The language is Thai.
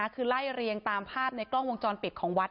คือไล่เรียงตามภาพในกล้องวงจรปิดของวัด